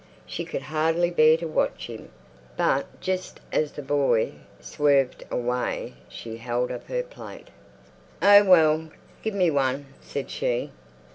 She could hardly bear to watch him. But just as the boy swerved away she held up her plate. "Oh well, give me one," said she.